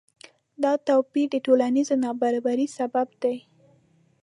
دا توپیر د ټولنیز نابرابری سبب دی.